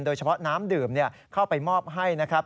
โดยเฉพาะน้ำดื่มเข้าไปมอบให้นะครับ